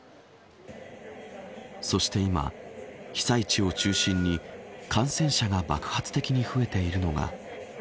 そして今被災地を中心に感染者が爆発的に増えているのが。